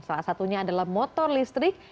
salah satunya adalah motor listrik e satu